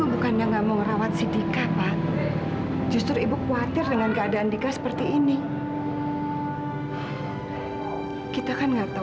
sampai jumpa di video selanjutnya